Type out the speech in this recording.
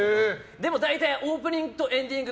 でも大体オープニングとエンディング